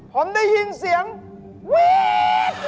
ผมได้ยินเสียงวีด